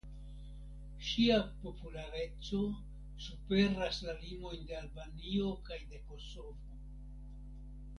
Ŝia populareco superas la limojn de Albanio kaj de Kosovo.